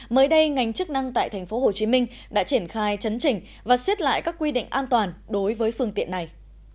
mới đây ngành chức năng tại tp hcm đã triển khai chấn trình và xiết lại các quy định an toàn đối với phương tiện này